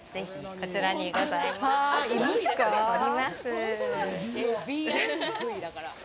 こちらにございます。